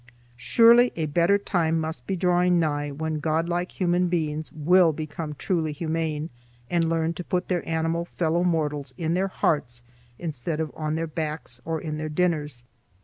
Surely a better time must be drawing nigh when godlike human beings will become truly humane, and learn to put their animal fellow mortals in their hearts instead of on their backs or in their dinners.